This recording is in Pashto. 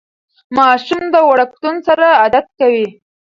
ماشوم د وړکتون سره عادت کوي.